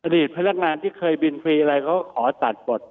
พนักงานที่เคยบินฟรีอะไรเขาขอตัดบท